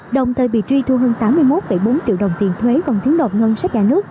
đồng thời bị truy thu hơn tám mươi một bốn triệu đồng tiền thuế còn thiến đột ngân sách nhà nước